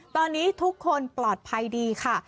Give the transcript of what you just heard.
ตอนนี้ทุกคนปลอดภัยดีค่ะ